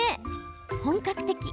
本格的。